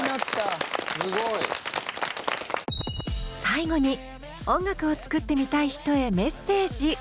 最後に音楽を作ってみたい人へメッセージ。